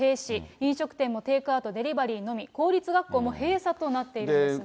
飲食店もテイクアウト、デリバリーのみ、公立学校も閉鎖となっているんですね。